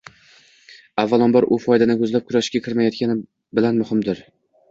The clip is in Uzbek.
avvalambor, u foydani ko‘zlab kurashga kirilmayotgani bilan muhimdir.